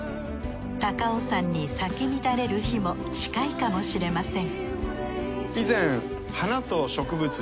高尾山に咲き乱れる日も近いかもしれません